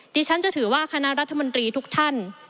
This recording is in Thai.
ดิฉันจะถือว่าคณะรัฐมนตรีทุกท่าน